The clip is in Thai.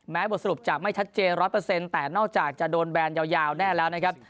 บทสรุปจะไม่ชัดเจน๑๐๐แต่นอกจากจะโดนแบนยาวแน่แล้วนะครับ